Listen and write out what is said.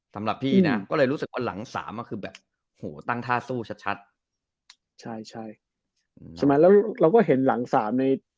สำหรับพี่นะก็เลยรู้สึกว่าหลังสามอ่ะคือแบบโหตั้งท่าสู้ชัดชัดใช่ใช่ใช่ไหมแล้วเราก็เห็นหลังสามใน